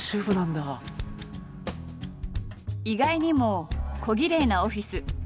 意外にもこぎれいなオフィス。